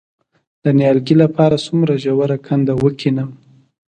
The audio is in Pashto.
د نیالګي لپاره څومره ژوره کنده وکینم؟